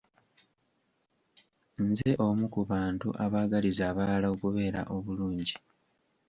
Nze omu ku bantu abaagaliza abalala okubeera obulungi.